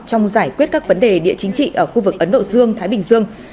trong giải quyết các vấn đề địa chính trị ở khu vực ấn độ dương thái bình dương